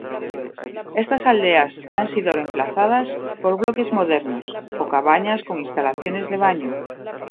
Estas aldeas han sido reemplazadas por bloques modernos o cabañas con instalaciones de baño.